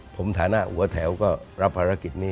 ผมฐานะหัวแถวก็รับภารกิจนี้